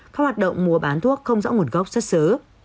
các hoạt động mua bán thuốc không rõ nguồn gốc xuất xứ